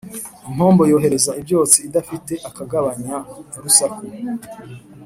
Impombo yohereza ibyotsi idafite akagabanya-rusaku